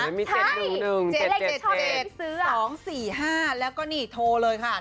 มันมี๗๑๑๗๗๗๒๔๕แล้วก็นี่โทรเลยค่ะ๑๙๑